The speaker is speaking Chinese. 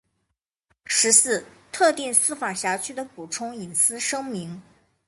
十四、特定司法辖区的补充隐私声明